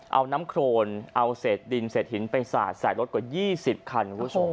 เอาน้ำโครนเอาเสดดินเสดหินไปสะใส่รถกว่า๒๐คัน